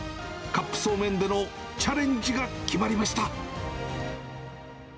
カップそうめんでのチャレンジが決まりました。